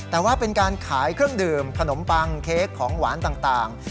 แต่ว่าเป็นการขายเครื่องดื่มขนมปังเค้กของหวานต่าง